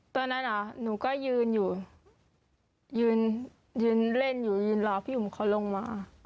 ตอนนั้นเหรอหนูก็ยืนอยู่ยืนยืนเล่นอยู่ยืนรอพี่อุ๋มเขาลงมา